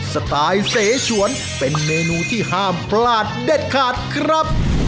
สไตล์เสฉวนเป็นเมนูที่ห้ามพลาดเด็ดขาดครับ